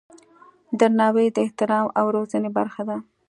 درناوی د تعلیم او روزنې برخه ده.